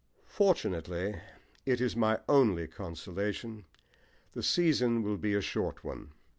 Fortunately it is my only consolation the season will be a short one.